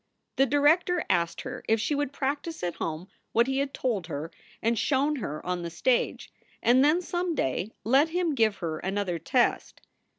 The director asked her if she would practice at home what he had told her and shown her on the stage, and then some day let him give her another test.